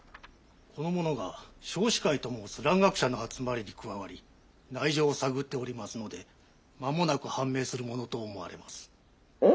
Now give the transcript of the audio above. この者が尚歯会と申す蘭学者の集まりに加わり内情を探っておりますので間もなく判明するものと思われます。